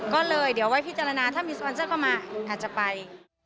ก็เลยเดี๋ยวไว้พิจารณาถ้ามีสปอนเซอร์เข้ามาอาจจะไป